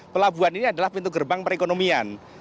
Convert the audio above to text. pelabuhan ini adalah pintu gerbang perekonomian